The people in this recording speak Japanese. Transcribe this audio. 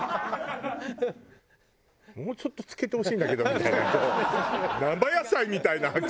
もうちょっと漬けてほしいんだけどみたいな。